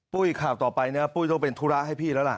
ปุ๊ยข่าวต่อไปนะครับปุ๊ยต้องเป็นธุระให้พี่แล้วล่ะ